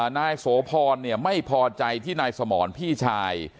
นายโสพรไม่พอใจที่นายสมรพี่ชาย